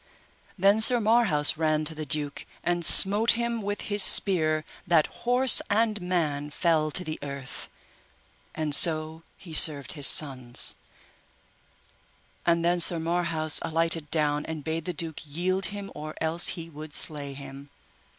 Then Sir Marhaus ran to the duke, and smote him with his spear that horse and man fell to the earth, and so he served his sons; and then Sir Marhaus alighted down and bade the duke yield him or else he would slay him.